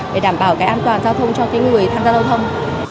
để đảm bảo cái an toàn giao thông cho cái người tham gia giao thông